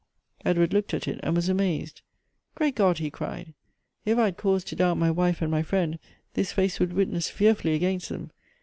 Edward looked at it and was amazed. " Great God !" he cried ;" if I had cause to doubt my wife and my friend, this face would witness fearfully against them.